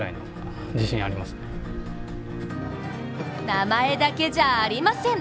名前だけじゃありません。